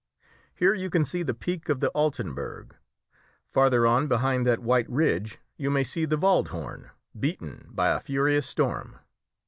Here you can see the peak of the Altenberg. Farther on behind that white ridge you may see the Wald Horn, beaten by a furious storm.